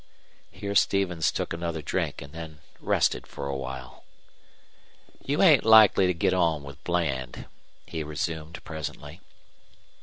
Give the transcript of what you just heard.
Here Stevens took another drink and then rested for a while. "You ain't likely to get on with Bland," he resumed, presently.